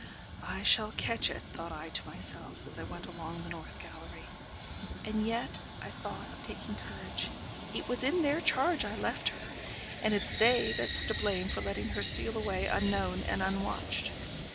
'I shall catch it,' thought I to myself, as I went along the north gallery. 'And yet,' I thought, taking courage, 'it was in their charge I left her; and it's they that's to blame for letting her steal away unknown and unwatched.'